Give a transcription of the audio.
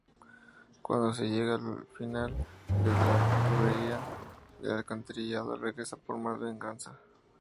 Cuando se llega al final de la tubería de alcantarillado, regresa por más venganza.